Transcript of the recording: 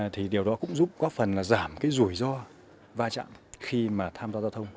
thì điều đó cũng giúp có phần giảm rủi ro va chạm khi tham gia giao thông